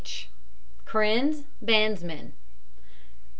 H. KRINS, bandsman.